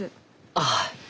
ああ。